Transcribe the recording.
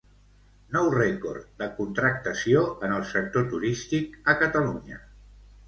Nou rècord de contractació en el sector turístic a Catalunya.